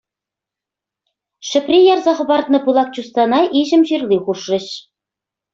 Ҫӗпре ярса хӑпартнӑ пылак чустана иҫӗм ҫырли хушрӗҫ.